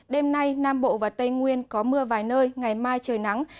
đêm nay nam bộ và tây nguyên có mưa vài nơi ngày mai trời nắng